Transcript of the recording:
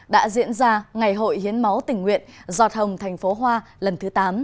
đã diễn ra ngày hội hiến máu tình nguyện giọt hồng thành phố hoa lần thứ tám